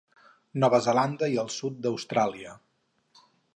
Nova Zelanda i el sud d'Austràlia.